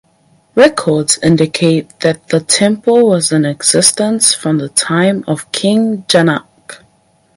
Records indicates that the temple was in existence from the time of King Janak.